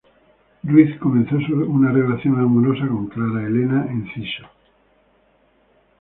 Ruiz comenzó una relación amorosa con Clara Helena Enciso.